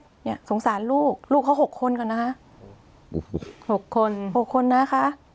เนี่ยสงสารลูกลูกเขาหกคนก่อนนะโอ้โหหกคนหกคนนะคะ